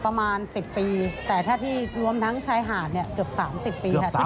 ประมาณ๑๐ปีแต่ถ้าพี่รวมทั้งชายหาดเนี่ยเกือบ๓๐ปีค่ะ